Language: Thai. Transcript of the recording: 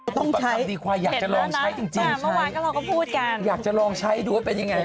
ต้องใช้เห็นแล้วนะมาวานก็ลองพูดกันอยากจะลองใช้ดูว่าเป็นยังไง